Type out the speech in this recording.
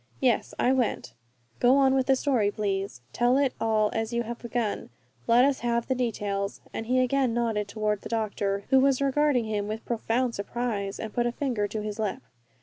"Yes, I went." "Go on with the story, please. Tell it all as you have begun. Let us have the details," and he again nodded toward the doctor, who was regarding him with profound surprise, and put a finger to his lip.